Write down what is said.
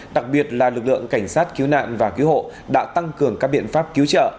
đặc biệt là lực lượng cảnh sát cứu nạn và cứu hộ đã tăng cường các biện pháp cứu trợ